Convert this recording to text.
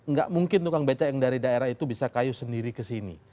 gak mungkin tukang becak yang dari daerah itu bisa kayu sendiri kesini